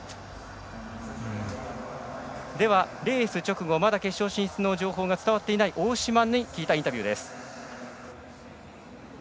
レース直後、まだ決勝進出の情報が伝わっていないではインタビューです。